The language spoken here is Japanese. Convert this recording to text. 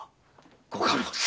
ご家老様。